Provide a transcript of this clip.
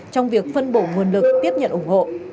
trong việc phân bổ nguồn lực tiếp nhận ủng hộ